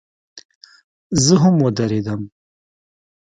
زه هم ودرېدم.